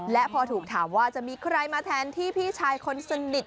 และพอถูกถามว่าจะมีใครมาแทนที่พี่ชายคนสนิท